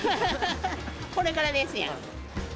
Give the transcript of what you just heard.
これからですやん。